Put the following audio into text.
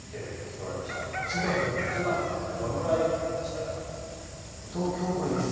どのぐらいかかりましたかね？